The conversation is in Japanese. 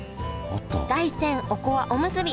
大山おこわおむすび